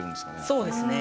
そうですね。